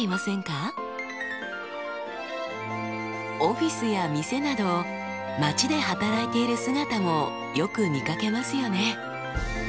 オフィスや店など街で働いている姿もよく見かけますよね。